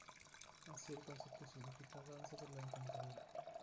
Así el concepto significa "Danza de la encantadora".